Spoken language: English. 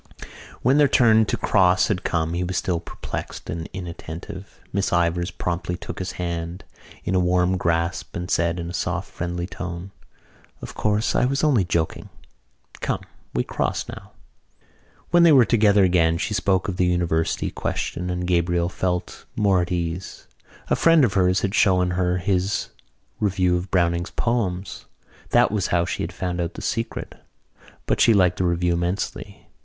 When their turn to cross had come he was still perplexed and inattentive. Miss Ivors promptly took his hand in a warm grasp and said in a soft friendly tone: "Of course, I was only joking. Come, we cross now." When they were together again she spoke of the University question and Gabriel felt more at ease. A friend of hers had shown her his review of Browning's poems. That was how she had found out the secret: but she liked the review immensely.